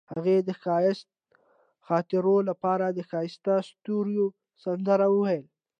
هغې د ښایسته خاطرو لپاره د ښایسته ستوري سندره ویله.